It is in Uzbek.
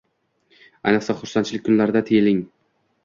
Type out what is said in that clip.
ayniqsa xursandchilik kunlarida tiyiling.